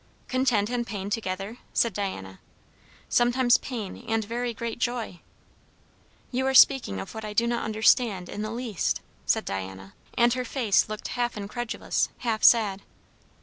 "Content and pain together?" said Diana. "Sometimes pain and very great joy." "You are speaking of what I do not understand in the least," said Diana. And her face looked half incredulous, half sad.